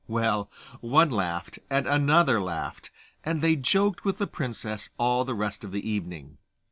Well, one laughed, and another laughed, and they joked with the princess all the rest of the evening.